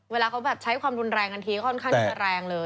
เวลาเขาแบบใช้ความรุนแรงทันทีค่อนข้างที่จะแรงเลย